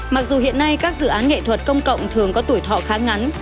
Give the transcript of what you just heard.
mặc dù hiện nay các dự án nghệ thuật công cộng thường có tuổi thọ khá ngắn